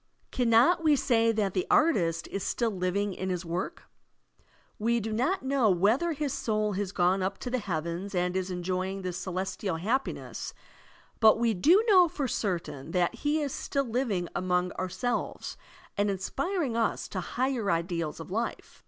Caimot we say that the artist is still living in his work? We do not know whether his soul has gone up to the heavens and is enjoying the celestial happiness, but we do know for certain that he is still living among oxu selves and inspiring us to higher ideals of life.